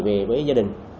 về với gia đình